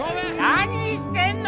何してんの！